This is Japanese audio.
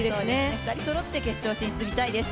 ２人そろって決勝進出、見たいです。